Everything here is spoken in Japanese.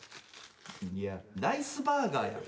いやライスバーガーやん。